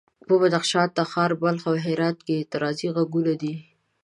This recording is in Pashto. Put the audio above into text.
په بدخشان، تخار، بلخ او هرات کې اعتراضي غږونه دي.